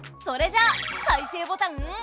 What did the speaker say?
それじゃあ再生ボタン。